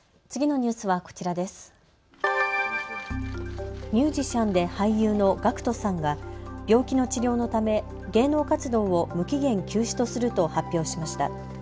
ミュージシャンで俳優のＧＡＣＫＴさんが病気の治療のため芸能活動を無期限休止とすると発表しました。